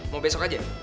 mau besok aja